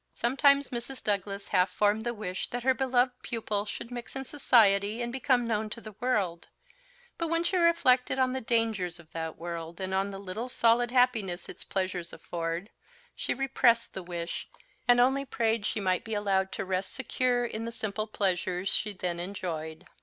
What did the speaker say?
Sometimes Mrs. Douglas half formed the wish that her beloved pupil should mix in society and become known to the world; but when she reflected on the dangers of that world, and on the little solid happiness its pleasures afford, she repressed the wish, and only prayed she might be allowed to rest secure in the simple pleasures she then enjoyed.